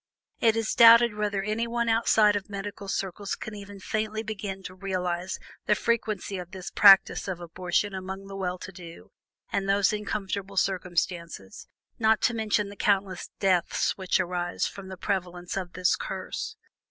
It is doubted whether anyone outside of medical circles can even faintly begin to realize the frequency of this practice of abortion among the well to do, and those in "comfortable circumstances" not to speak of the countless deaths which arise from the prevalence of this curse.